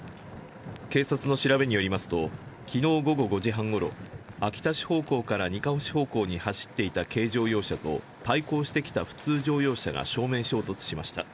警察の調べによりますと、きのう午後５時半ごろ、秋田市方向からにかほ市方向に走っていた軽乗用車と対向してきた普通乗用車が正面衝突しました。